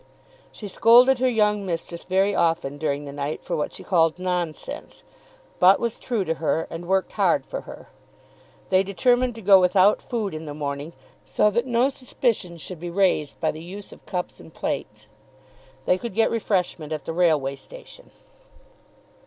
She scolded her young mistress very often during the night for what she called nonsense; but was true to her, and worked hard for her. They determined to go without food in the morning, so that no suspicion should be raised by the use of cups and plates. They could get refreshment at the railway station.